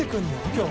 今日。